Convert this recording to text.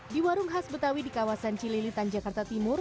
di warung khas betawi di kawasan cililitan jakarta timur